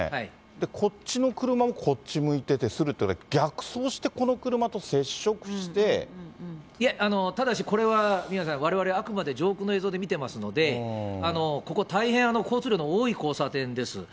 で、こっちの車もこっち向いててするというのは、いえ、ただし、これは、宮根さん、われわれはあくまで上空の映像で見てますので、ここ、大変交通量の多い交差点です。